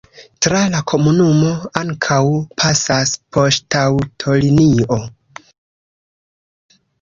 Tra la komunumo ankaŭ pasas poŝtaŭtolinio.